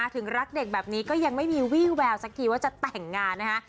ถึงรักเด็กแบบนี้ก็ยังไม่มีวี่แววสักทีว่าจะแต่งงานนะคะ